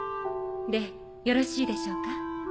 でよろしいでしょうか？